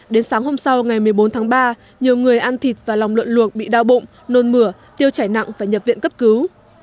đến sáng hôm sau ngày một mươi bốn tháng ba nhiều người ăn thịt và lòng lợn luộc bị đau bụng nôn mửa tiêu chảy nặng phải nhập viện cấp cứu